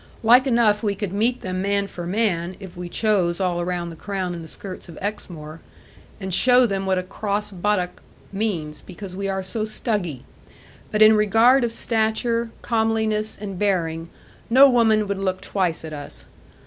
Like enough, we could meet them man for man (if we chose all around the crown and the skirts of Exmoor), and show them what a cross buttock means, because we are so stuggy; but in regard of stature, comeliness, and bearing, no woman would look twice at us.